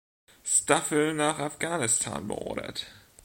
Staffel nach Afghanistan beordert.